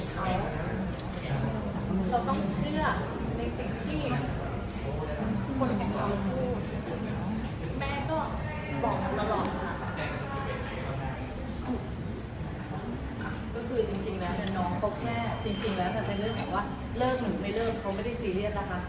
อาจจะเลยเริ่มหากว่าเริ่มหรือไม่เริ่มเขาไม่ได้ซีเรียสนะคะ